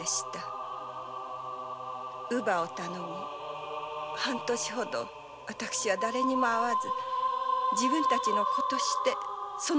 乳母を頼み半年ほど私はだれにも会わず自分たちの子としてその子を育てました。